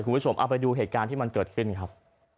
คุณผู้ชมเอาไปดูเหตุการณ์ที่มันเกิดขึ้นครับ